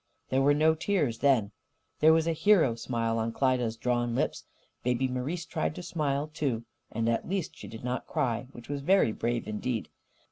There were no tears, then. There was a hero smile on Klyda's drawn lips. Baby Marise tried to smile, too. And at least she did not cry which was very brave indeed.